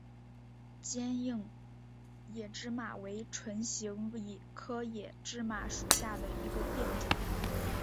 坚硬野芝麻为唇形科野芝麻属下的一个变种。